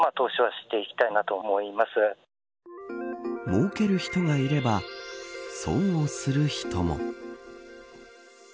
もうける人がいれば損をする人も。